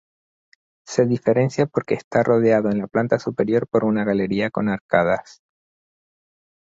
Se diferencia porque está rodeado en la planta superior por una galería con arcadas.